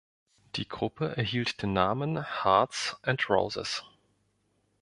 Die Gruppe erhielt den Namen Hearts and Roses.